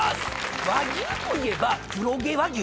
和牛といえば黒毛和牛。